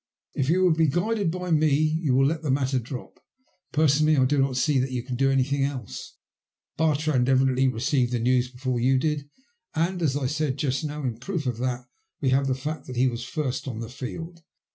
If you will be guided by me, you will let the matter drop. Personally I do not see that you can do anything else. Bartrand evidently received the news before you did, and, as I said just now, in proof of that we have the fact that he was first on the field.